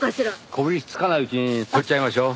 こびりつかないうちに取っちゃいましょう。